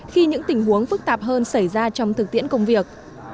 khi những tình huống phức tạp hơn xảy ra trong thực tiễn công việc